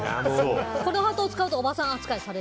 このハートを使うとおばさん扱いされる。